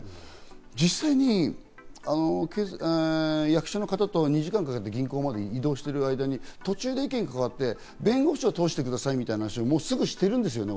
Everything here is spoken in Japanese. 実際に役所の方と２時間かけて銀行まで移動している間に途中で意見が変わって、弁護士を通してくださいみたいな話をすぐしてるんですよね？